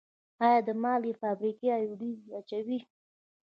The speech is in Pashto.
آیا د مالګې فابریکې ایوډین اچوي؟